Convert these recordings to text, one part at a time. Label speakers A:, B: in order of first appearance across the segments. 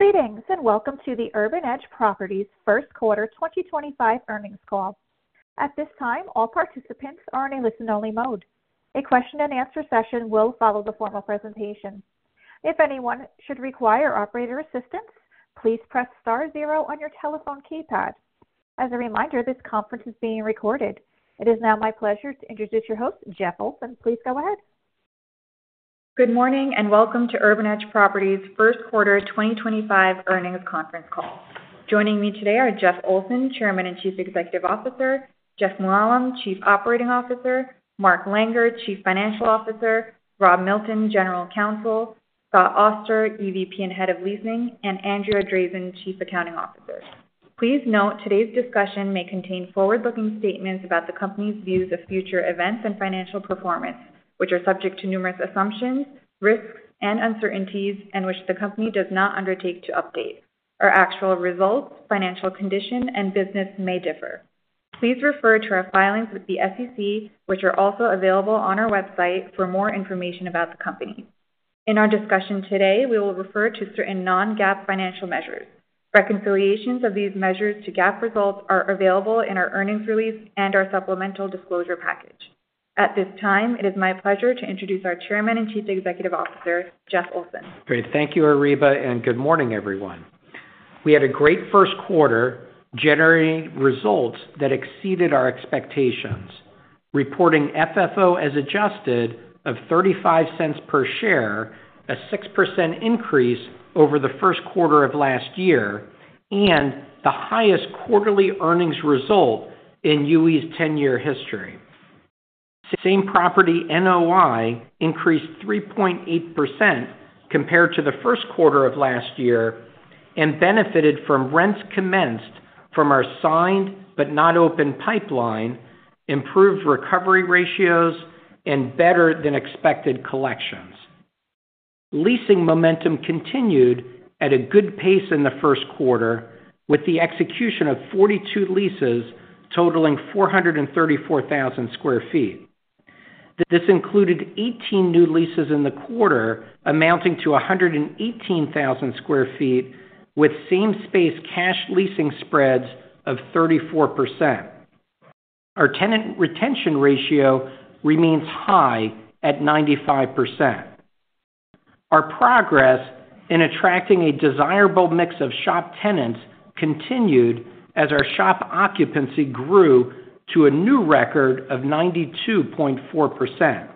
A: Greetings and welcome to the Urban Edge Properties first quarter 2025 earnings call. At this time, all participants are in a listen-only mode. A question-and-answer session will follow the formal presentation. If anyone should require operator assistance, please press star zero on your telephone keypad. As a reminder, this conference is being recorded. It is now my pleasure to introduce your host, Jeff Olson. Please go ahead.
B: Good morning and welcome to Urban Edge Properties first quarter 2025 earnings conference call. Joining me today are Jeff Olson, Chairman and Chief Executive Officer; Jeff Mooallem, Chief Operating Officer; Mark Langer, Chief Financial Officer; Rob Milton, General Counsel; Scott Auster, EVP and Head of Leasing; and Andrea Drazin, Chief Accounting Officer. Please note today's discussion may contain forward-looking statements about the company's views of future events and financial performance, which are subject to numerous assumptions, risks, and uncertainties, and which the company does not undertake to update. Our actual results, financial condition, and business may differ. Please refer to our filings with the SEC, which are also available on our website for more information about the company. In our discussion today, we will refer to certain non-GAAP financial measures. Reconciliations of these measures to GAAP results are available in our earnings release and our supplemental disclosure package. At this time, it is my pleasure to introduce our Chairman and Chief Executive Officer, Jeff Olson.
C: Great. Thank you, Areeba, and good morning, everyone. We had a great first quarter generating results that exceeded our expectations, reporting FFO as adjusted of $0.35 per share, a 6% increase over the first quarter of last year, and the highest quarterly earnings result in UE's 10-year history. Same property NOI increased 3.8% compared to the first quarter of last year and benefited from rents commenced from our signed but not open pipeline, improved recovery ratios, and better-than-expected collections. Leasing momentum continued at a good pace in the first quarter, with the execution of 42 leases totaling 434,000 sq ft. This included 18 new leases in the quarter amounting to 118,000 sq ft, with same-space cash leasing spreads of 34%. Our tenant retention ratio remains high at 95%. Our progress in attracting a desirable mix of shop tenants continued as our shop occupancy grew to a new record of 92.4%.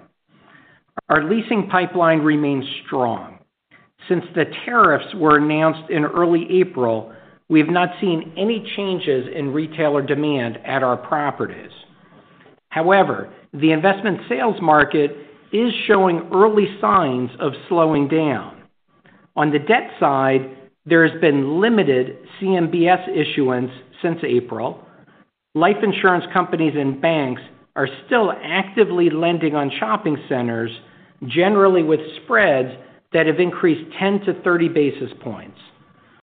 C: Our leasing pipeline remains strong. Since the tariffs were announced in early April, we have not seen any changes in retailer demand at our properties. However, the investment sales market is showing early signs of slowing down. On the debt side, there has been limited CMBS issuance since April. Life insurance companies and banks are still actively lending on shopping centers, generally with spreads that have increased 10-30 basis points.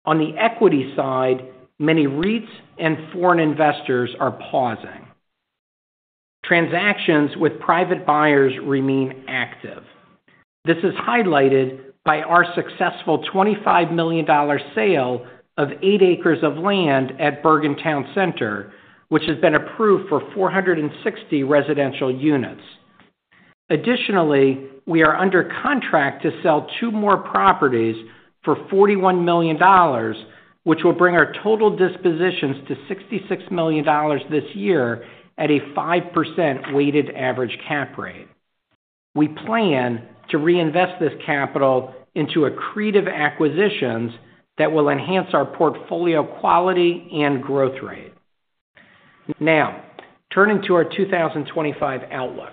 C: On the equity side, many REITs and foreign investors are pausing. Transactions with private buyers remain active. This is highlighted by our successful $25 million sale of 8 acres of land at Bergen Town Center, which has been approved for 460 residential units. Additionally, we are under contract to sell two more properties for $41 million, which will bring our total dispositions to $66 million this year at a 5% weighted average cap rate. We plan to reinvest this capital into accretive acquisitions that will enhance our portfolio quality and growth rate. Now, turning to our 2025 outlook,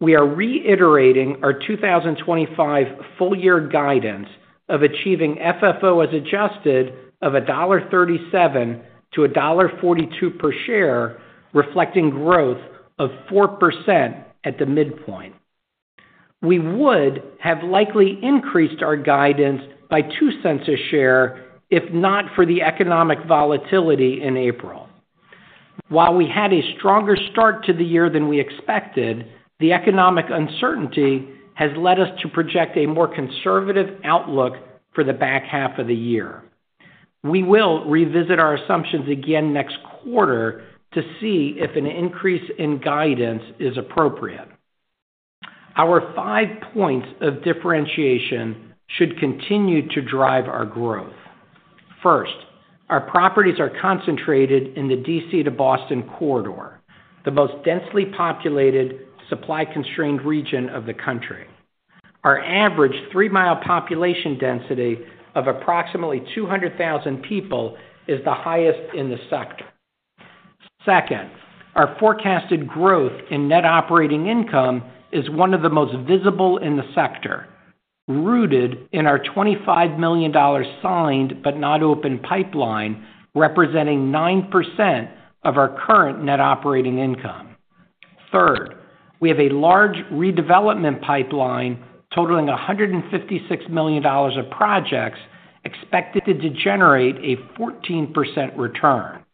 C: we are reiterating our 2025 full-year guidance of achieving FFO as adjusted of $1.37-$1.42 per share, reflecting growth of 4% at the midpoint. We would have likely increased our guidance by $0.02 a share if not for the economic volatility in April. While we had a stronger start to the year than we expected, the economic uncertainty has led us to project a more conservative outlook for the back half of the year. We will revisit our assumptions again next quarter to see if an increase in guidance is appropriate. Our five points of differentiation should continue to drive our growth. First, our properties are concentrated in the DC to Boston corridor, the most densely populated supply-constrained region of the country. Our average three-mile population density of approximately 200,000 people is the highest in the sector. Second, our forecasted growth in net operating income is one of the most visible in the sector, rooted in our $25 million signed but not open pipeline, representing 9% of our current net operating income. Third, we have a large redevelopment pipeline totaling $156 million of projects expected to generate a 14% return.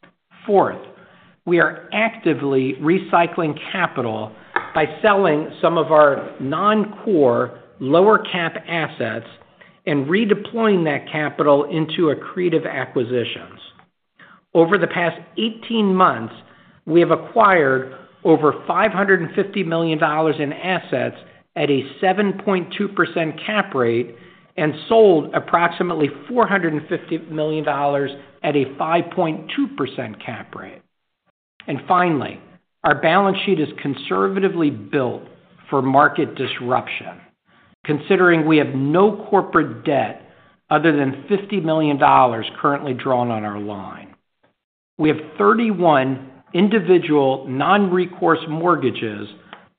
C: Fourth, we are actively recycling capital by selling some of our non-core, lower-cap assets and redeploying that capital into accretive acquisitions. Over the past 18 months, we have acquired over $550 million in assets at a 7.2% cap rate and sold approximately $450 million at a 5.2% cap rate. Finally, our balance sheet is conservatively built for market disruption, considering we have no corporate debt other than $50 million currently drawn on our line. We have 31 individual non-recourse mortgages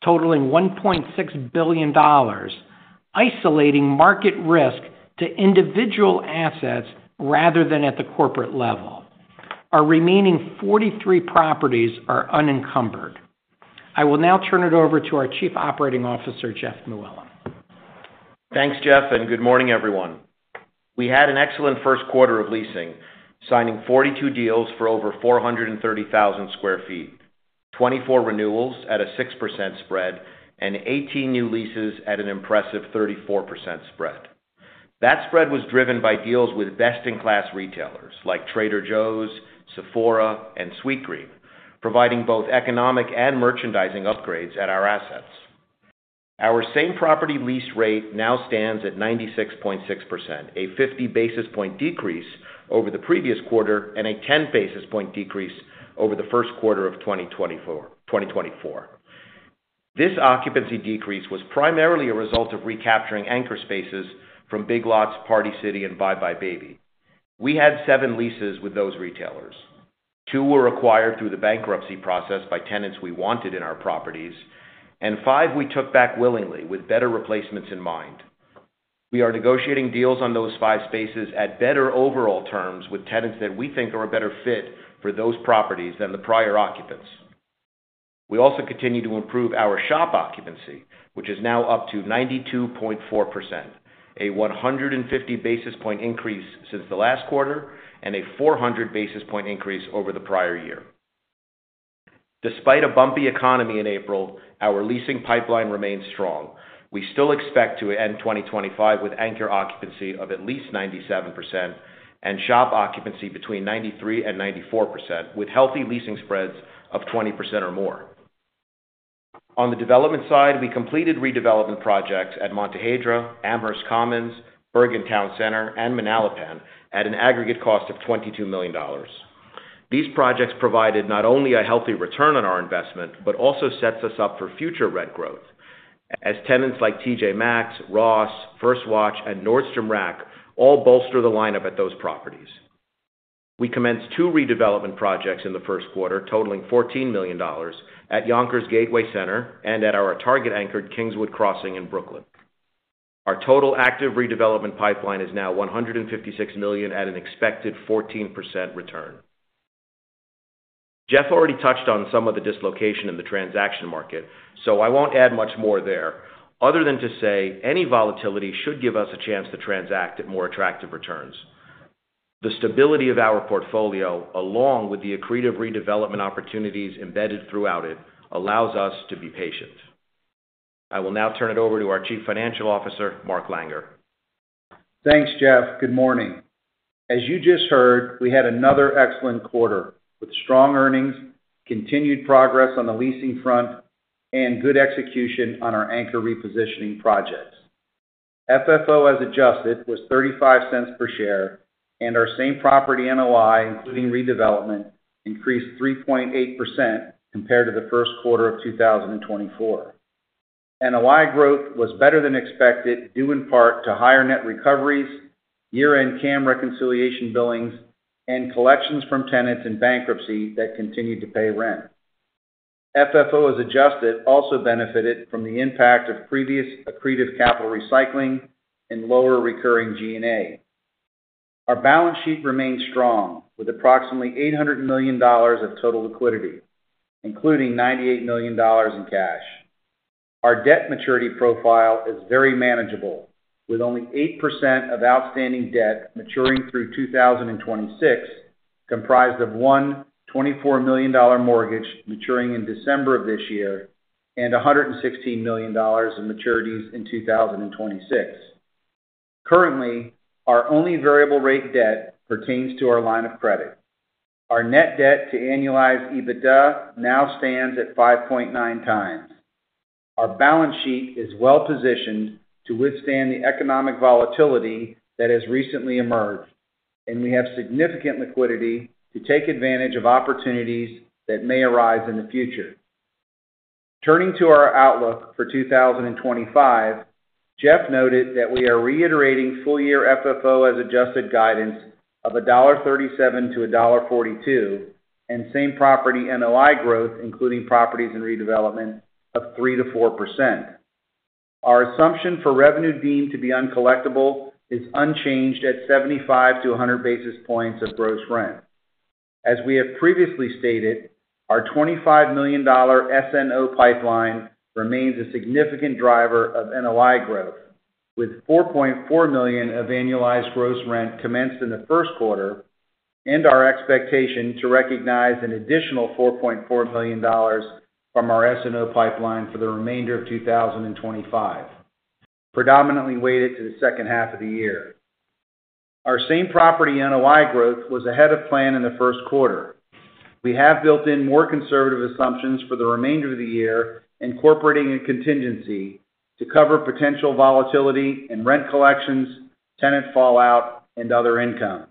C: totaling $1.6 billion, isolating market risk to individual assets rather than at the corporate level. Our remaining 43 properties are unencumbered. I will now turn it over to our Chief Operating Officer, Jeff Mooallem.
D: Thanks, Jeff, and good morning, everyone. We had an excellent first quarter of leasing, signing 42 deals for over 430,000 sq ft, 24 renewals at a 6% spread, and 18 new leases at an impressive 34% spread. That spread was driven by deals with best-in-class retailers like Trader Joe's, Sephora, and Sweetgreen, providing both economic and merchandising upgrades at our assets. Our same property lease rate now stands at 96.6%, a 50 basis point decrease over the previous quarter and a 10 basis point decrease over the first quarter of 2024. This occupancy decrease was primarily a result of recapturing anchor spaces from Big Lots, Party City, and Buy Buy Baby. We had seven leases with those retailers. Two were acquired through the bankruptcy process by tenants we wanted in our properties, and five we took back willingly with better replacements in mind. We are negotiating deals on those five spaces at better overall terms with tenants that we think are a better fit for those properties than the prior occupants. We also continue to improve our shop occupancy, which is now up to 92.4%, a 150 basis point increase since the last quarter and a 400 basis point increase over the prior year. Despite a bumpy economy in April, our leasing pipeline remains strong. We still expect to end 2025 with anchor occupancy of at least 97% and shop occupancy between 93-94%, with healthy leasing spreads of 20% or more. On the development side, we completed redevelopment projects at Montauk Highway, Amherst Commons, Bergen Town Center, and Manasquan at an aggregate cost of $22 million. These projects provided not only a healthy return on our investment but also set us up for future rent growth, as tenants like TJ Maxx, Ross, First Watch, and Nordstrom Rack all bolster the lineup at those properties. We commenced two redevelopment projects in the first quarter totaling $14 million at Yonkers Gateway Center and at our Target-anchored Kingswood Crossing in Brooklyn. Our total active redevelopment pipeline is now $156 million at an expected 14% return. Jeff already touched on some of the dislocation in the transaction market, so I will not add much more there other than to say any volatility should give us a chance to transact at more attractive returns. The stability of our portfolio, along with the accretive redevelopment opportunities embedded throughout it, allows us to be patient. I will now turn it over to our Chief Financial Officer, Mark Langer.
E: Thanks, Jeff. Good morning. As you just heard, we had another excellent quarter with strong earnings, continued progress on the leasing front, and good execution on our anchor repositioning projects. FFO as adjusted was $0.35 per share, and our same property NOI, including redevelopment, increased 3.8% compared to the first quarter of 2024. NOI growth was better than expected, due in part to higher net recoveries, year-end CAM reconciliation billings, and collections from tenants in bankruptcy that continued to pay rent. FFO as adjusted also benefited from the impact of previous accretive capital recycling and lower recurring G&A. Our balance sheet remains strong with approximately $800 million of total liquidity, including $98 million in cash. Our debt maturity profile is very manageable, with only 8% of outstanding debt maturing through 2026, comprised of one $24 million mortgage maturing in December of this year and $116 million in maturities in 2026. Currently, our only variable-rate debt pertains to our line of credit. Our net debt to annualized EBITDA now stands at 5.9 times. Our balance sheet is well-positioned to withstand the economic volatility that has recently emerged, and we have significant liquidity to take advantage of opportunities that may arise in the future. Turning to our outlook for 2025, Jeff noted that we are reiterating full-year FFO as adjusted guidance of $1.37-$1.42 and same property NOI growth, including properties in redevelopment, of 3-4%. Our assumption for revenue deemed to be uncollectible is unchanged at 75-100 basis points of gross rent. As we have previously stated, our $25 million SNO pipeline remains a significant driver of NOI growth, with $4.4 million of annualized gross rent commenced in the first quarter and our expectation to recognize an additional $4.4 million from our SNO pipeline for the remainder of 2025, predominantly weighted to the second half of the year. Our same-property NOI growth was ahead of plan in the first quarter. We have built in more conservative assumptions for the remainder of the year, incorporating a contingency to cover potential volatility in rent collections, tenant fallout, and other income.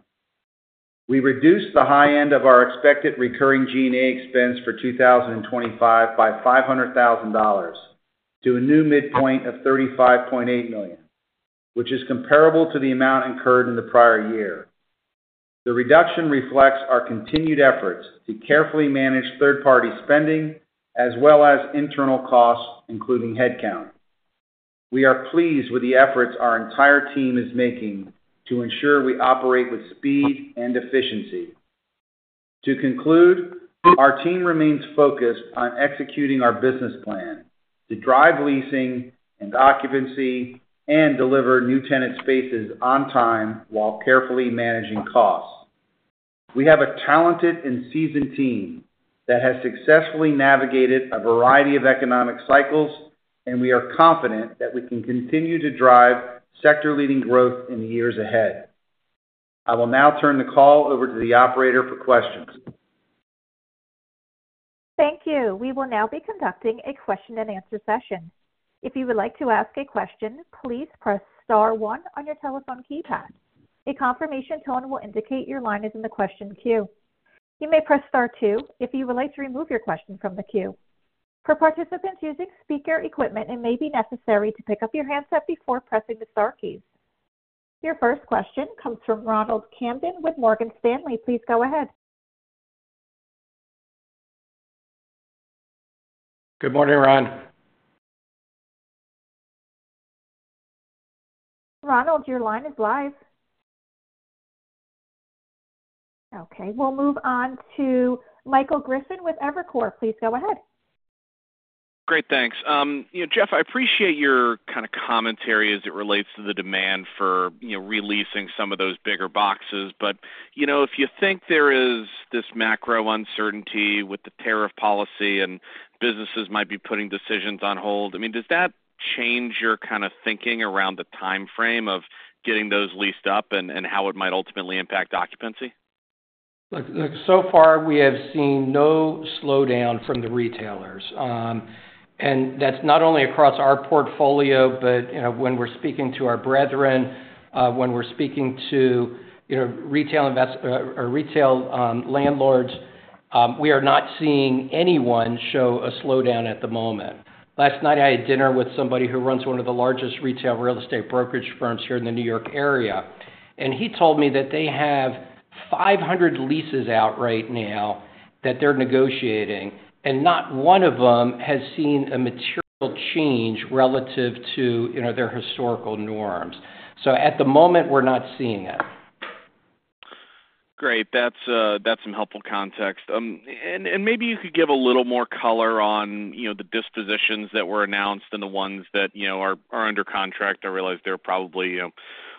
E: We reduced the high end of our expected recurring G&A expense for 2025 by $500,000 to a new midpoint of $35.8 million, which is comparable to the amount incurred in the prior year. The reduction reflects our continued efforts to carefully manage third-party spending as well as internal costs, including headcount. We are pleased with the efforts our entire team is making to ensure we operate with speed and efficiency. To conclude, our team remains focused on executing our business plan to drive leasing and occupancy and deliver new tenant spaces on time while carefully managing costs. We have a talented and seasoned team that has successfully navigated a variety of economic cycles, and we are confident that we can continue to drive sector-leading growth in the years ahead. I will now turn the call over to the operator for questions.
A: Thank you. We will now be conducting a question-and-answer session. If you would like to ask a question, please press Star 1 on your telephone keypad. A confirmation tone will indicate your line is in the question queue. You may press Star 2 if you would like to remove your question from the queue. For participants using speaker equipment, it may be necessary to pick up your handset before pressing the Star keys. Your first question comes from Ronald Kamdem with Morgan Stanley. Please go ahead.
C: Good morning, Ron.
A: Ronald, your line is live. Okay. We'll move on to Michael Griffin with Evercore. Please go ahead.
F: Great. Thanks. Jeff, I appreciate your kind of commentary as it relates to the demand for releasing some of those bigger boxes. If you think there is this macro uncertainty with the tariff policy and businesses might be putting decisions on hold, I mean, does that change your kind of thinking around the timeframe of getting those leased up and how it might ultimately impact occupancy?
C: Look, so far, we have seen no slowdown from the retailers. That is not only across our portfolio, but when we are speaking to our brethren, when we are speaking to retail landlords, we are not seeing anyone show a slowdown at the moment. Last night, I had dinner with somebody who runs one of the largest retail real estate brokerage firms here in the New York area. He told me that they have 500 leases out right now that they are negotiating, and not one of them has seen a material change relative to their historical norms. At the moment, we are not seeing it.
F: Great. That's some helpful context. Maybe you could give a little more color on the dispositions that were announced and the ones that are under contract. I realize there are probably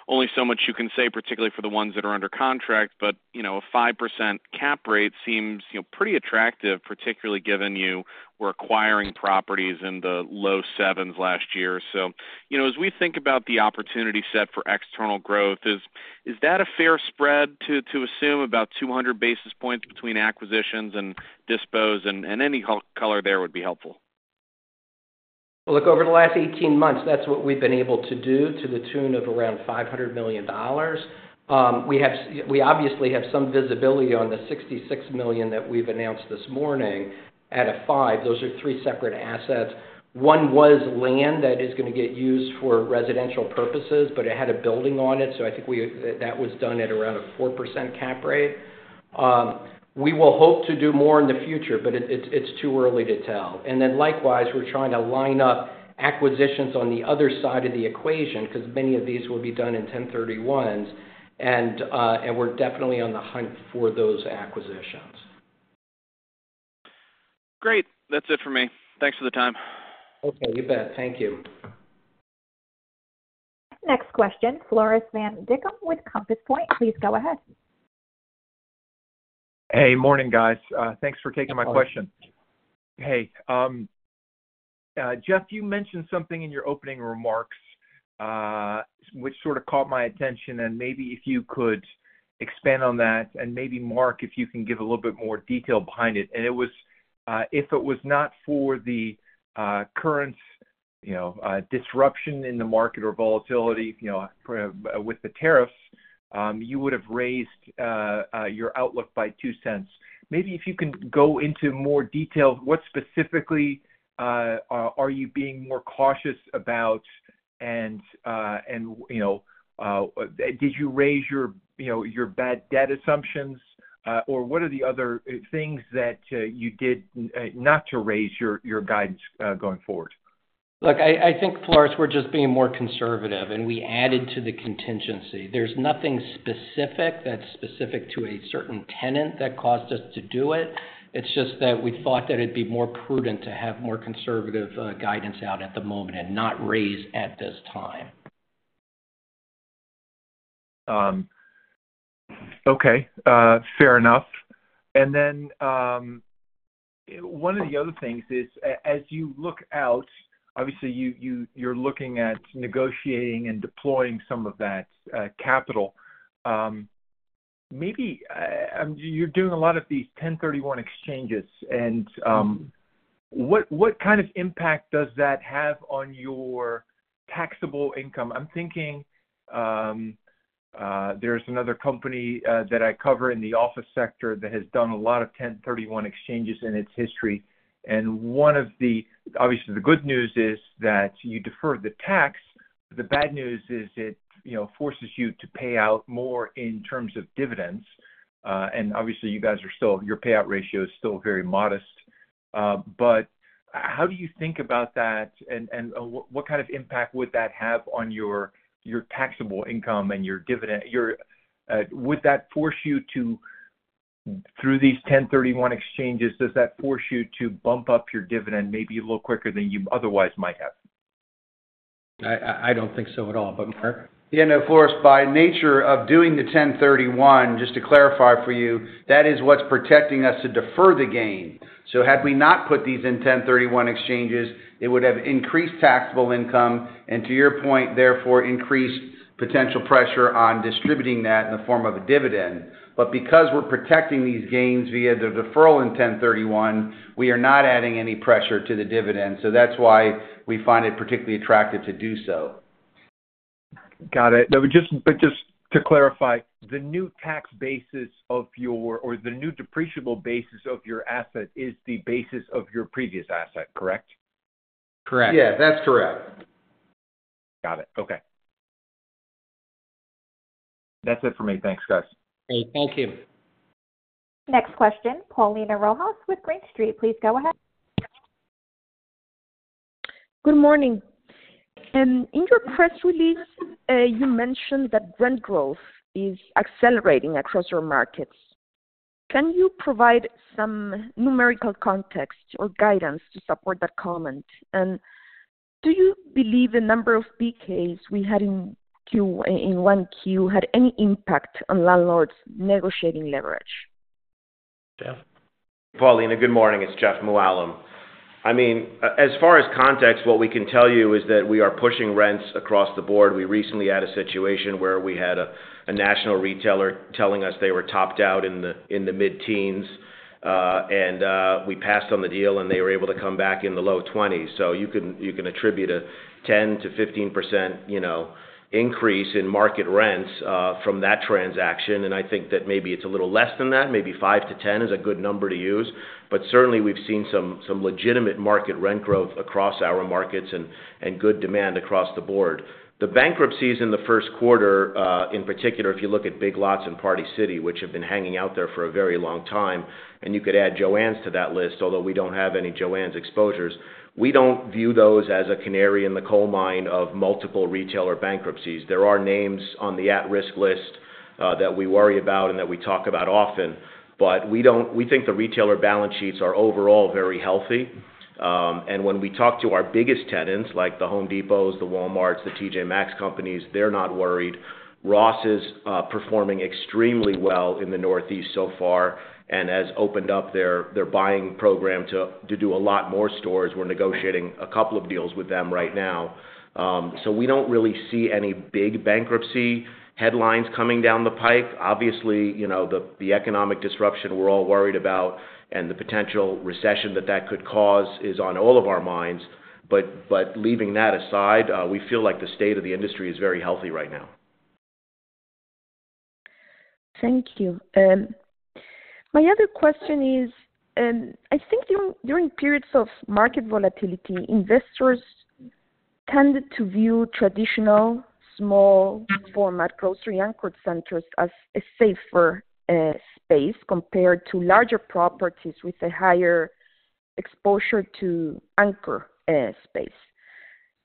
F: only so much you can say, particularly for the ones that are under contract. A 5% cap rate seems pretty attractive, particularly given you were acquiring properties in the low sevens last year. As we think about the opportunity set for external growth, is that a fair spread to assume about 200 basis points between acquisitions and dispos? Any color there would be helpful.
C: Over the last 18 months, that's what we've been able to do to the tune of around $500 million. We obviously have some visibility on the $66 million that we've announced this morning at a 5. Those are three separate assets. One was land that is going to get used for residential purposes, but it had a building on it. I think that was done at around a 4% cap rate. We will hope to do more in the future, but it's too early to tell. Likewise, we're trying to line up acquisitions on the other side of the equation because many of these will be done in 1031s. We're definitely on the hunt for those acquisitions.
F: Great. That's it for me. Thanks for the time.
C: Okay. You bet. Thank you.
A: Next question, Floris Van Dijkum with Compass Point. Please go ahead.
G: Hey. Morning, guys. Thanks for taking my question.
C: Morning.
G: Hey. Jeff, you mentioned something in your opening remarks which sort of caught my attention. Maybe if you could expand on that and maybe Mark, if you can give a little bit more detail behind it. If it was not for the current disruption in the market or volatility with the tariffs, you would have raised your outlook by 2 cents. Maybe if you can go into more detail, what specifically are you being more cautious about? Did you raise your bad debt assumptions? What are the other things that you did not to raise your guidance going forward?
C: Look, I think, Floris, we're just being more conservative, and we added to the contingency. There's nothing specific that's specific to a certain tenant that caused us to do it. It's just that we thought that it'd be more prudent to have more conservative guidance out at the moment and not raise at this time.
G: Okay. Fair enough. One of the other things is, as you look out, obviously, you're looking at negotiating and deploying some of that capital. Maybe you're doing a lot of these 1031 exchanges. What kind of impact does that have on your taxable income? I'm thinking there's another company that I cover in the office sector that has done a lot of 1031 exchanges in its history. Obviously, the good news is that you defer the tax. The bad news is it forces you to pay out more in terms of dividends. Obviously, you guys are still your payout ratio is still very modest. How do you think about that? What kind of impact would that have on your taxable income and your dividend? Would that force you to, through these 1031 exchanges, does that force you to bump up your dividend maybe a little quicker than you otherwise might have?
C: I don't think so at all. Mark?
E: Yeah. No, Floris, by nature of doing the 1031, just to clarify for you, that is what's protecting us to defer the gain. Had we not put these in 1031 exchanges, it would have increased taxable income and, to your point, therefore, increased potential pressure on distributing that in the form of a dividend. Because we're protecting these gains via the deferral in 1031, we are not adding any pressure to the dividend. That's why we find it particularly attractive to do so.
G: Got it. Just to clarify, the new tax basis of your or the new depreciable basis of your asset is the basis of your previous asset, correct?
E: Correct. Yeah, that's correct.
G: Got it. Okay. That's it for me. Thanks, guys.
E: Great. Thank you.
A: Next question, Paulina Rojas with Green Street. Please go ahead.
H: Good morning. In your press release, you mentioned that rent growth is accelerating across your markets. Can you provide some numerical context or guidance to support that comment? Do you believe the number of BKs we had in 1Q had any impact on landlords' negotiating leverage?
D: Paulina, good morning. It's Jeff Mooallem. I mean, as far as context, what we can tell you is that we are pushing rents across the board. We recently had a situation where we had a national retailer telling us they were topped out in the mid-teens. We passed on the deal, and they were able to come back in the low 20s. You can attribute a 10-15% increase in market rents from that transaction. I think that maybe it's a little less than that. Maybe 5-10% is a good number to use. Certainly, we've seen some legitimate market rent growth across our markets and good demand across the board. The bankruptcies in the first quarter, in particular, if you look at Big Lots and Party City, which have been hanging out there for a very long time, and you could add Joann's to that list, although we don't have any Joann's exposures. We don't view those as a canary in the coal mine of multiple retailer bankruptcies. There are names on the at-risk list that we worry about and that we talk about often. We think the retailer balance sheets are overall very healthy. When we talk to our biggest tenants, like the Home Depots, the Walmarts, the TJ Maxx companies, they're not worried. Ross is performing extremely well in the Northeast so far and has opened up their buying program to do a lot more stores. We're negotiating a couple of deals with them right now. We do not really see any big bankruptcy headlines coming down the pike. Obviously, the economic disruption we are all worried about and the potential recession that that could cause is on all of our minds. Leaving that aside, we feel like the state of the industry is very healthy right now.
H: Thank you. My other question is, I think during periods of market volatility, investors tend to view traditional small-format grocery-anchored centers as a safer space compared to larger properties with a higher exposure to anchor space.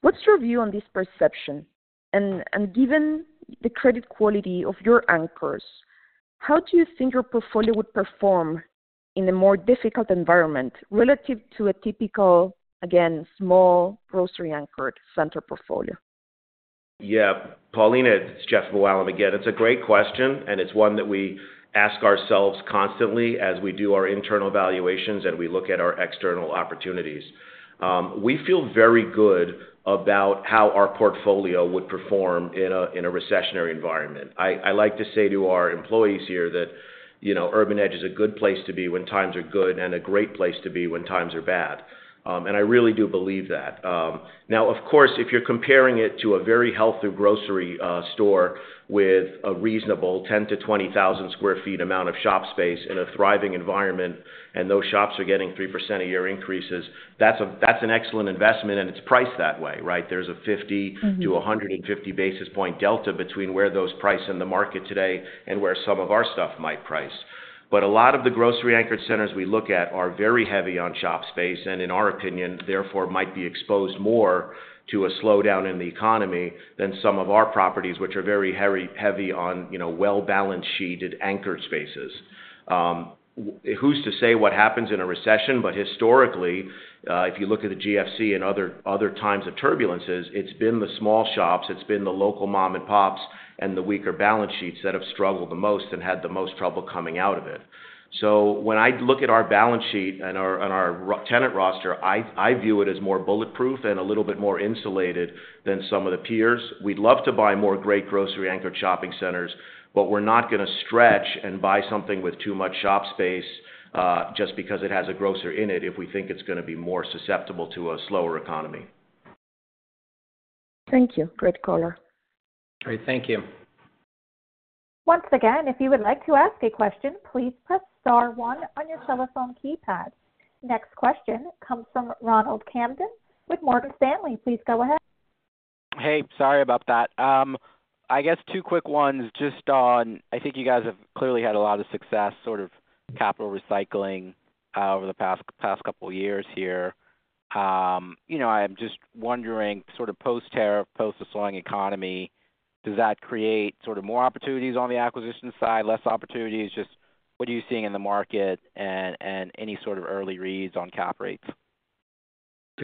H: What is your view on this perception? Given the credit quality of your anchors, how do you think your portfolio would perform in a more difficult environment relative to a typical, again, small grocery-anchored center portfolio?
D: Yeah. Paulina, it's Jeff Mooallem again. It's a great question. It's one that we ask ourselves constantly as we do our internal evaluations and we look at our external opportunities. We feel very good about how our portfolio would perform in a recessionary environment. I like to say to our employees here that Urban Edge is a good place to be when times are good and a great place to be when times are bad. I really do believe that. Now, of course, if you're comparing it to a very healthy grocery store with a reasonable 10-20 thousand sq ft amount of shop space in a thriving environment and those shops are getting 3% a year increases, that's an excellent investment. It's priced that way, right? There's a 50-150 basis point delta between where those price in the market today and where some of our stuff might price. A lot of the grocery-anchored centers we look at are very heavy on shop space and, in our opinion, therefore, might be exposed more to a slowdown in the economy than some of our properties, which are very heavy on well-balance sheeted anchored spaces. Who's to say what happens in a recession? Historically, if you look at the GFC and other times of turbulences, it's been the small shops. It's been the local mom-and-pops and the weaker balance sheets that have struggled the most and had the most trouble coming out of it. When I look at our balance sheet and our tenant roster, I view it as more bulletproof and a little bit more insulated than some of the peers. We'd love to buy more great grocery-anchored shopping centers, but we're not going to stretch and buy something with too much shop space just because it has a grocer in it if we think it's going to be more susceptible to a slower economy.
H: Thank you. Great caller.
D: All right. Thank you.
A: Once again, if you would like to ask a question, please press star one on your telephone keypad. Next question comes from Ronald Kamdem with Morgan Stanley. Please go ahead.
I: Hey. Sorry about that. I guess two quick ones just on I think you guys have clearly had a lot of success sort of capital recycling over the past couple of years here. I'm just wondering, sort of post-terrific, post-dislocating economy, does that create sort of more opportunities on the acquisition side, less opportunities? Just what are you seeing in the market and any sort of early reads on cap rates?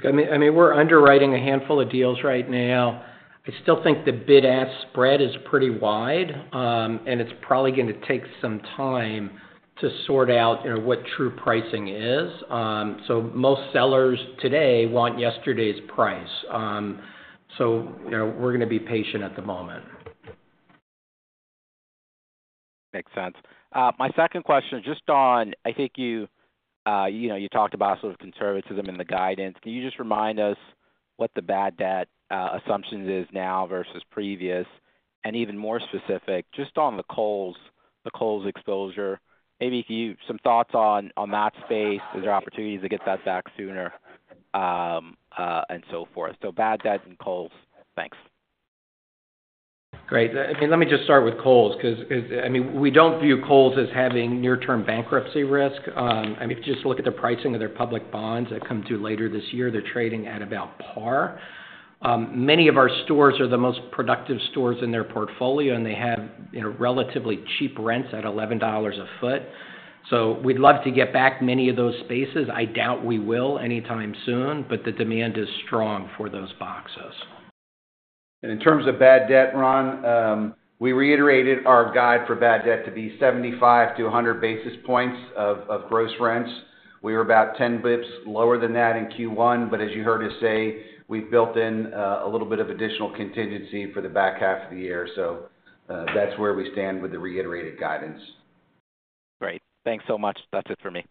C: I mean, we're underwriting a handful of deals right now. I still think the bid-ask spread is pretty wide, and it's probably going to take some time to sort out what true pricing is. Most sellers today want yesterday's price. We're going to be patient at the moment.
I: Makes sense. My second question just on I think you talked about sort of conservatism in the guidance. Can you just remind us what the bad debt assumption is now versus previous? And even more specific, just on the Kohl's exposure, maybe some thoughts on that space. Is there opportunities to get that back sooner and so forth? Bad debt and Kohl's. Thanks.
C: Great. I mean, let me just start with Kohl's because, I mean, we do not view Kohl's as having near-term bankruptcy risk. I mean, if you just look at the pricing of their public bonds that come due later this year, they are trading at about par. Many of our stores are the most productive stores in their portfolio, and they have relatively cheap rents at $11 a foot. So we would love to get back many of those spaces. I doubt we will anytime soon, but the demand is strong for those boxes.
E: In terms of bad debt, Ron, we reiterated our guide for bad debt to be 75-100 basis points of gross rents. We were about 10 basis points lower than that in Q1. As you heard us say, we have built in a little bit of additional contingency for the back half of the year. That is where we stand with the reiterated guidance.
I: Great. Thanks so much. That's it for me.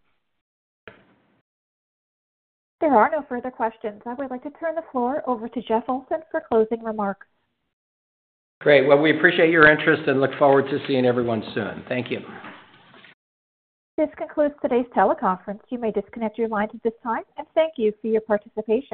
A: There are no further questions. I would like to turn the floor over to Jeff Olson for closing remarks.
C: Great. We appreciate your interest and look forward to seeing everyone soon. Thank you.
A: This concludes today's teleconference. You may disconnect your lines at this time. Thank you for your participation.